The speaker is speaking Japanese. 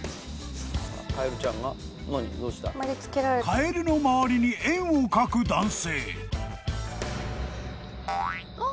［カエルの周りに円を描く男性］